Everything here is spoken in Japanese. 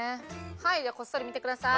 はいではこっそり見てください。